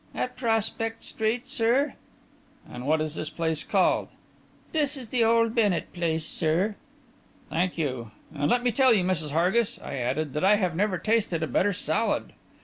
"At Prospect Street, sir." "And what is this place called?" "This is the old Bennett place, sir." "Thank you. And let me tell you, Mrs. Hargis," I added, "that I have never tasted a better salad."